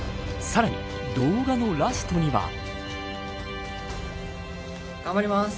さらに、動画のラストには。